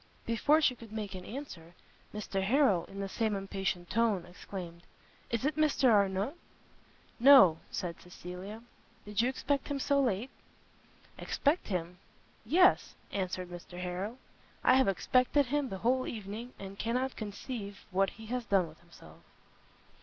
Before she could make an answer, Mr Harrel, in the same impatient tone, exclaimed, "Is it Mr Arnott?" "No;" said Cecilia, "did you expect him so late?" "Expect him? Yes," answered Mr Harrel, "I have expected him the whole evening, and cannot conceive what he has done with himself."